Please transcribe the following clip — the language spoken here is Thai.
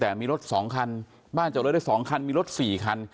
แต่มีรถ๒คันบ้านจอดรถได้๒คันมีรถ๔คัน